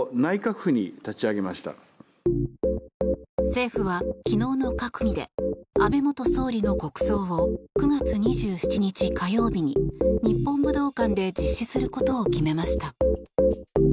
政府は昨日の閣議で安倍元総理の国葬を９月２７日火曜日に日本武道館で実施することを決めました。